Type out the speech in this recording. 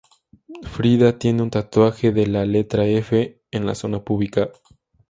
Friday tiene un tatuaje de la letra 'F' en la zona púbica.